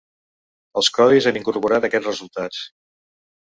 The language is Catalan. Els codis han incorporat aquests resultats.